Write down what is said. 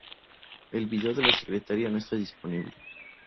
El video de La secretaria no está disponible.